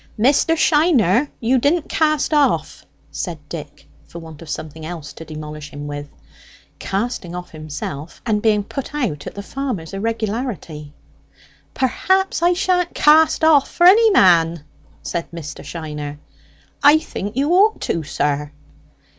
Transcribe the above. "Mr. Shiner, you didn't cast off," said Dick, for want of something else to demolish him with; casting off himself, and being put out at the farmer's irregularity. "Perhaps I sha'n't cast off for any man," said Mr. Shiner. "I think you ought to, sir."